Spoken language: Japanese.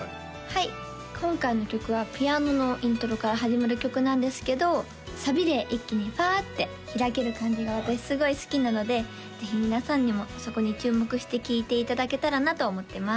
はい今回の曲はピアノのイントロから始まる曲なんですけどサビで一気にパーッて開ける感じが私すごい好きなのでぜひ皆さんにもそこに注目して聴いていただけたらなと思ってます